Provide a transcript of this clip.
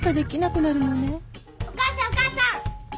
お母さんお母さん。